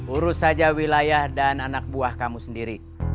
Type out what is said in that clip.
urus saja wilayah dan anak buah kamu sendiri